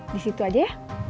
di situ aja ya